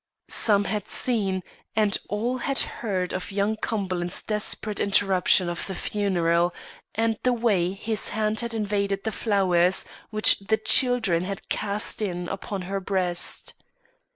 Some had seen, and all had heard of young Cumberland's desperate interruption of the funeral, and the way his hand had invaded the flowers which the children had cast in upon her breast.